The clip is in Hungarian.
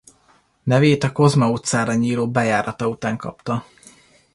Nevét a Kozma utcára nyíló bejárata után kapta.